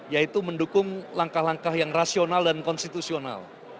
yaitu mendukung langkah langkah yang rasional dan konstitusional